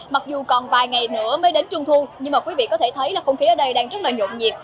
mặc dù còn vài ngày nữa mới đến trung thu nhưng mà quý vị có thể thấy là không khí ở đây đang rất là nhộn nhiệt